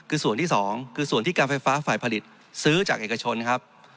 คือส่วนที่สองคือส่วนที่การไฟฟ้าฝ่ายผลิตซื้อจากเอกชนครับ